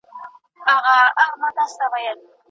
د احنافو نظر دادی، چي د مکره طلاق واقع دی.